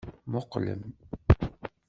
Muqqlem!